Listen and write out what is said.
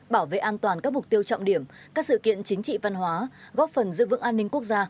bảo vệ an toàn các mục tiêu trọng điểm các sự kiện chính trị văn hóa góp phần giữ vững an ninh quốc gia